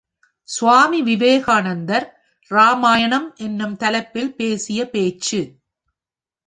சுவாமி விவேகானந்தர், இராமாயணம் என்னும் தலைப்பில் பேசிய பேச்சு.